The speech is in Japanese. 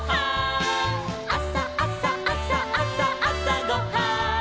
「あさあさあさあさあさごはん」